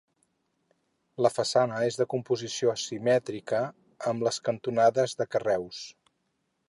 La façana és de composició simètrica amb les cantonades de carreus.